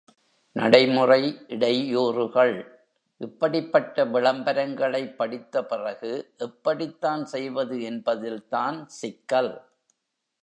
நடைமுறை இடையூறுகள் இப்படிப்பட்ட விளம்பரங்களைப் படித்த பிறகு, எப்படித்தான் செய்வது என்பதில் தான் சிக்கல்.